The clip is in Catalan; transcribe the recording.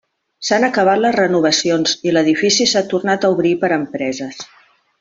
S'han acabat les renovacions i l'edifici s'ha tornat a obrir per a empreses.